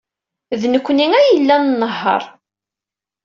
D nekkni ay yellan nnehheṛ.